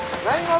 はい。